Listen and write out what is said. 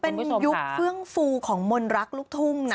เป็นยุคเฟื่องฟูของมนต์รักลูกทุ่งนะ